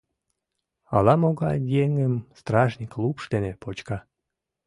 Ала-могай еҥым стражник лупш дене почка.